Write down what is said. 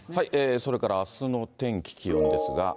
それからあすの天気、気温ですが。